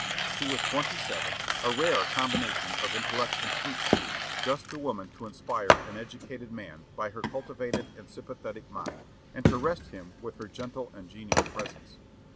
She was twenty seven, a rare combination of intellect and sweetness, just the woman to inspire an educated man by her cultivated and sympathetic mind, and to rest him with her gentle and genial presence.